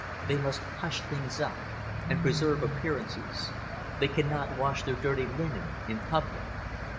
They must hush things up, and preserve appearances: they can not wash their dirty linen in public.